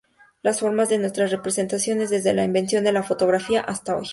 Las formas de nuestras representaciones, desde la invención de la fotografía hasta hoy.